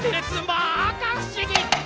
まかふしぎ！